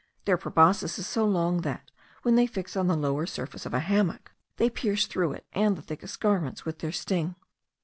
Their proboscis is so long that, when they fix on the lower surface of a hammock, they pierce through it and the thickest garments with their sting.